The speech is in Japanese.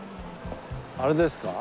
あれですか？